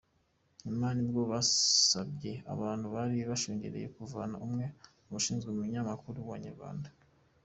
Nyuma nibwo basabye abantu bari bashungereye kuhava, umwe mu bashinzwe umunyamakuru wa Inyarwanda.